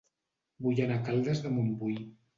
Vull anar a Caldes de Montbui